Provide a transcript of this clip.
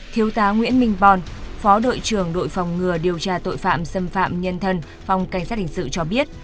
thiếu tá nguyễn minh bon phó đội trưởng đội phòng ngừa điều tra tội phạm xâm phạm nhân thân phòng cảnh sát hình sự cho biết